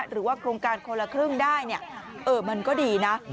หรือว่าโครงการคนละครึ่งได้มันก็ดีนะ